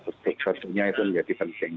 itu tentunya itu menjadi penting